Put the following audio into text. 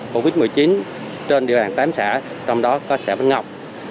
covid một mươi chín trên địa bàn tám xã trong đó có xã vĩnh ngọc